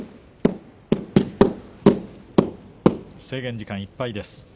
制限時間いっぱいです。